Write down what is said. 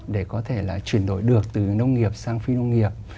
để có thể là chuyển đổi được từ nông nghiệp sang phi nông nghiệp